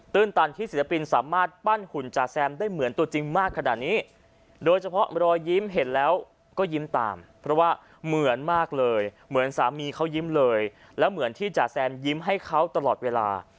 ตันที่ศิลปินสามารถปั้นหุ่นจาแซมได้เหมือนตัวจริงมากขนาดนี้โดยเฉพาะรอยยิ้มเห็นแล้วก็ยิ้มตามเพราะว่าเหมือนมากเลยเหมือนสามีเขายิ้มเลยแล้วเหมือนที่จ๋าแซมยิ้มให้เขาตลอดเวลา